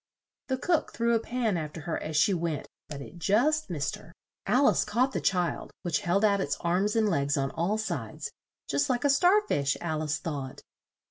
The cook threw a pan after her as she went, but it just missed her. Al ice caught the child, which held out its arms and legs on all sides, "just like a star fish," Al ice thought.